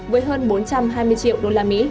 với hơn bốn trăm hai mươi triệu usd